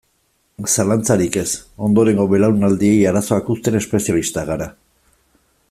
Zalantzarik ez, ondorengo belaunaldiei arazoak uzten espezialistak gara.